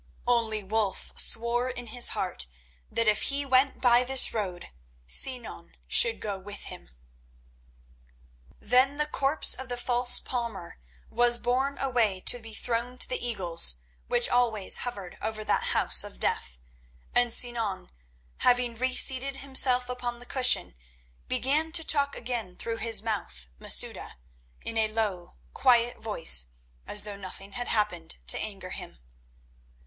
Only Wulf swore in his heart that if he went by this road Sinan should go with him. Then the corpse of the false palmer was borne away to be thrown to the eagles which always hovered over that house of death, and Sinan, having reseated himself upon the cushion, began to talk again through his "mouth" Masouda, in a low, quiet voice, as though nothing had happened to anger him.